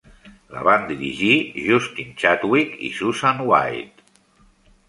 La van dirigir Justin Chadwick i Susanna White.